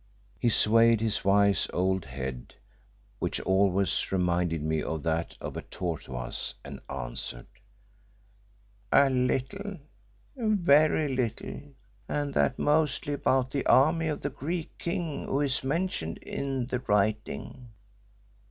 He swayed his wise old head, which always reminded me of that of a tortoise, and answered "A little. Very little, and that mostly about the army of the Greek king who is mentioned in the writing."